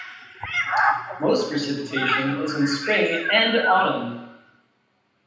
Most precipitation is in spring and autumn.